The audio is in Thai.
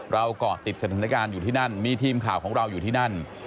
เกาะติดสถานการณ์อยู่ที่นั่นมีทีมข่าวของเราอยู่ที่นั่น